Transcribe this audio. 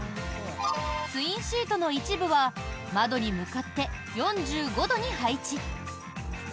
ツインシートの一部は窓に向かって４５度に配置。